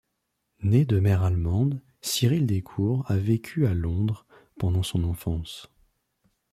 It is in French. Né de mère allemande, Cyril Descours a vécu à Londres pendant son enfance.